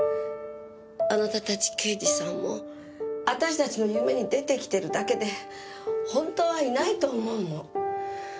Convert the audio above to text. あなたたち刑事さんも私たちの夢に出てきてるだけで本当はいないと思うの。